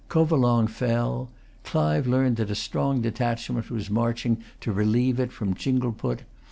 Covelong fell. Clive learned that a strong detachment was marching to relieve it from Chingleput.